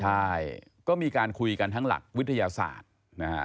ใช่ก็มีการคุยกันทั้งหลักวิทยาศาสตร์นะฮะ